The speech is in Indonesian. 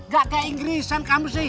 gak ke inggrisan kamu sih